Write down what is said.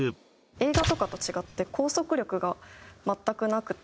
映画とかと違って拘束力が全くなくて。